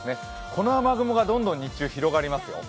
この雨雲がどんどん日中広がりますよ。